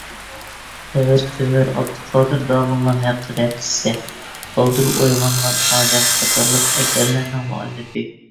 خېۋىر تۆمۈر «ئابدۇقادىر داموللام ھەققىدە قىسسە»، «بالدۇر ئويغانغان ئادەم» قاتارلىق ئەسەرلەرنىڭ مۇئەللىپى.